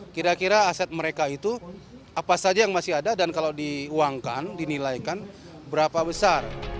kira kira aset mereka itu apa saja yang masih ada dan kalau diuangkan dinilaikan berapa besar